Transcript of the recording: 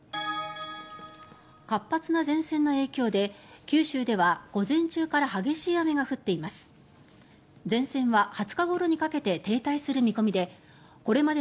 活発な前線の影響で九州では午前中から激しい雨が降っています。